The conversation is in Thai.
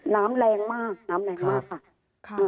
แรงมากน้ำแรงมากค่ะ